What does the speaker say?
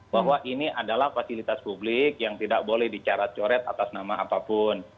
bahwa ini adalah fasilitas publik yang tidak boleh dicarat coret atas nama apapun